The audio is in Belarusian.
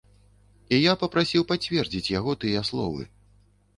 І я папрасіў пацвердзіць яго тыя словы.